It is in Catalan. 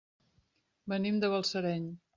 Venim de Balsareny.